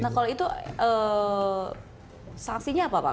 nah kalau itu sanksinya apa pak